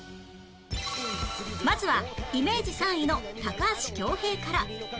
まずはイメージ３位の高橋恭平から